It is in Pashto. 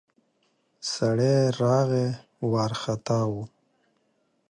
سړی راغی ، وارختا و.